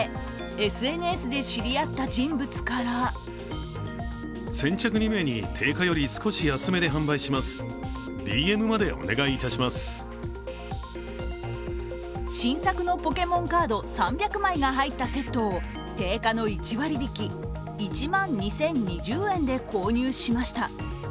ＳＮＳで知り合った人物から新作のポケモンカード３００まいが入ったセットを定価の１割引、１万２０２０円で購入しました。